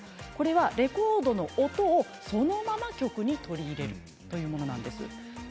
レコードの音をそのまま曲に取り入れるというものなんですね。